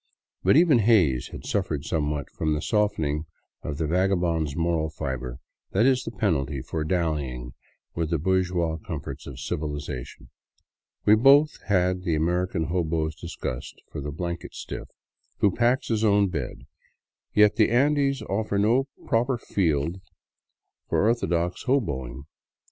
But even Hays had suffered somewhat from that softening of the vagabond's moral fiber that is the penalty for dallying with the bourgeois comforts of civilization. We both had the American hobo's disgust for the " blanket stiff" " who " packs " his own bed ; yet the Andes offer no proper field for ortho 40 FROM BOGOTA OVER THE QUINDIO dox hoboing.